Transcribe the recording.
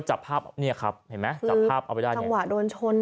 จับภาพเนี่ยครับเห็นไหมจับภาพเอาไปได้จังหวะโดนชน